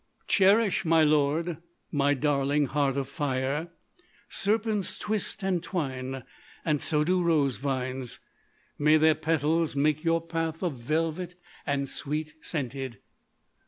"Cherish, my lord, my darling Heart of Fire. Serpents twist and twine. So do rose vines. May their petals make your path of velvet and sweet scented.